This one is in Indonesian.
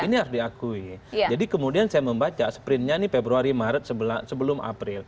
ini harus diakui jadi kemudian saya membaca sprintnya ini februari maret sebelum april